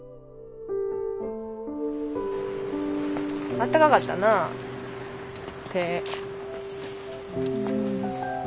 あったかかったな手。